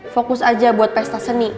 fokus aja buat pesta seni